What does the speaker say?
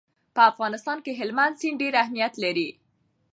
په افغانستان کې هلمند سیند ډېر زیات اهمیت لري.